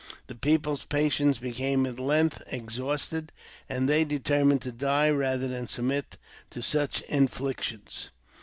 The people's patience became at length exhausted, and they determined to die rather than submit to such inflictions.